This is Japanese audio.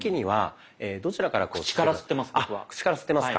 あ口から吸ってますか。